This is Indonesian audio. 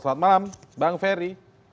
selamat malam bang ferry